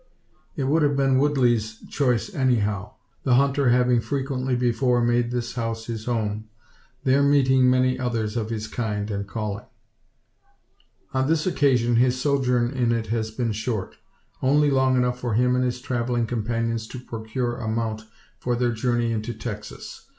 It would have been Woodley's choice anyhow; the hunter having frequently before made this house his home; there meeting many others of his kind and calling. On this occasion his sojourn in it has been short; only long enough for him and his travelling companions to procure a mount for their journey into Texas.